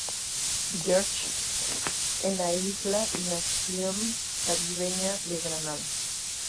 George en la isla y nación caribeña de Granada.